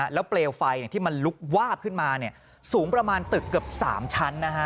แล้วเปลวไฟที่มันลุกวาบขึ้นมาสูงประมาณตึกเกือบ๓ชั้น